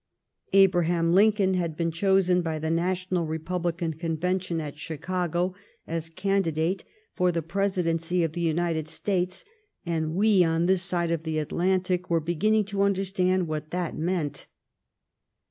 Abra 216 THE REPEAL OF THE TAXES ON EDUCATION 21/ ham Lincoln had been chosen by the National Republican Convention at Chicago as candidate for the Presidency of the United States, and we on this side of the Atlantic were beginning to understand what that meant.